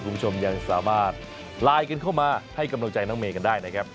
คุณผู้ชมยังสามารถไลน์กันเข้ามาให้กำลังใจน้องเมย์กันได้นะครับ